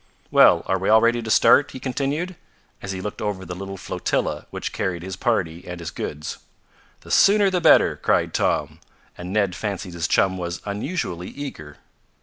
"Well, are we all ready to start?" he continued, as he looked over the little flotilla which carried his party and his goods. "The sooner the better!" cried Tom, and Ned fancied his chum was unusually eager.